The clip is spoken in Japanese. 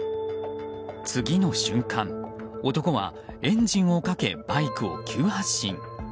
次の瞬間、男はエンジンをかけバイクを急発進。